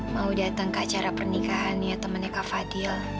mau datang ke acara pernikahan ya temannya kak fadil